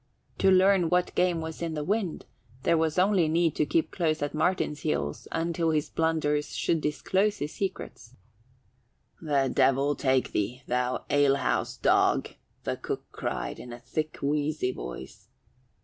To learn what game was in the wind there was need only to keep close at Martin's heels until his blunders should disclose his secrets. "The Devil take thee, thou alehouse dog!" the cook cried in a thick, wheezy voice.